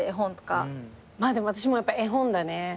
でも私もやっぱり絵本だね。